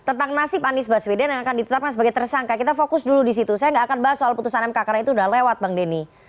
tentang nasib anies baswedan yang akan ditetapkan sebagai tersangka kita fokus dulu di situ saya nggak akan bahas soal putusan mk karena itu sudah lewat bang denny